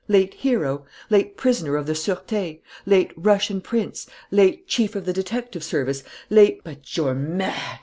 Late hero.... Late prisoner of the Sureté.... Late Russian prince.... Late chief of the detective service.... Late " "But you're mad!"